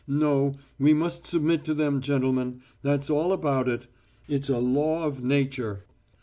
No, we must submit to them, gentlemen, that's all about it. It's a law of Nature."